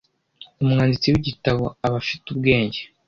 Umwanditsi w'igitabo aba afite ubwenge